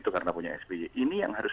karena punya sby ini yang harus